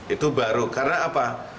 itu baru karena apa